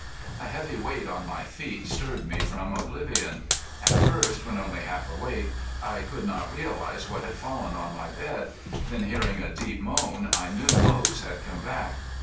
A heavy weight on my feet stirred me from oblivion. At first, when only half awake, I could not realize what had fallen on my bed, then hearing a deep groan I knew Moze had come back.